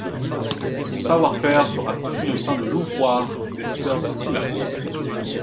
Son savoir-faire sera transmis au sein de l'Ouvroir des soeurs de Cilaos.